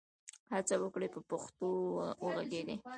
هڅه وکړئ په پښتو وږغېږئ.